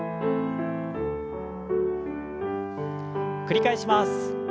繰り返します。